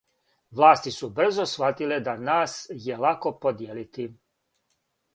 Власти су брзо схватиле да нас је лако подијелити.